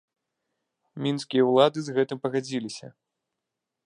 Мінскія ўлады з гэтым пагадзіліся.